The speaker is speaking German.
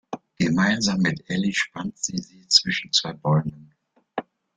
Gemeinsam mit Elli spannt sie sie zwischen zwei Bäumen.